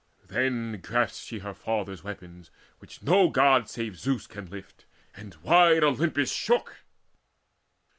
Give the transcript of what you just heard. Then grasped she her father's weapons, which no God Save Zeus can lift, and wide Olympus shook.